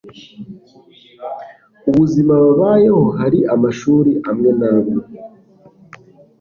ubuzima babayeho. Hari amashuri amwe n'amwe